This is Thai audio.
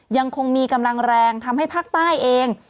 ยังคงมีกำลังแรงทำให้ภาคใต้เอง